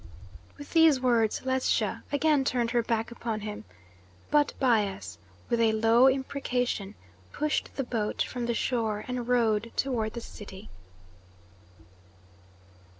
With these words Ledscha again turned her back upon him, but Bias, with a low imprecation, pushed the boat from the shore and rowed toward the city.